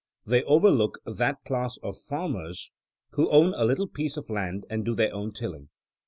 '* They overlook that class of farmers who own a little piece of land and do their own tilling.